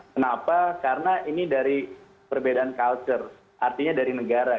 kenapa karena ini dari perbedaan culture artinya dari negara